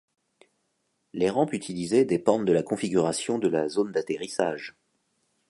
Les rampes utilisées dépendent de la configuration de la zone d'atterrissage.